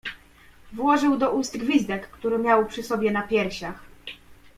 "Włożył do ust gwizdek, który miał przy sobie na piersiach."